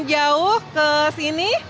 jauh ke sini